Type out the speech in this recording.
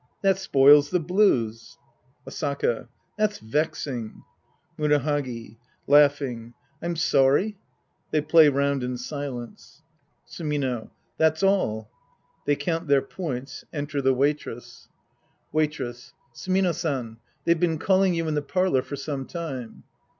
That spoils the blues. Asaka. That's vexing. Murahagi {laughing). I'm sorry. {They play round in silence^ Sumino. That's all. {^hey count their points. Enter the Waitress.) Sc. II The Priest and His Disciples 155 Waitress. Sumino San. They've been calling you in the parlor for some time.